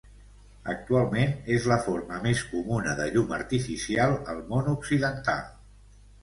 Actualment és la forma més comuna de llum artificial al món occidental.